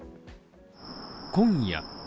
今夜。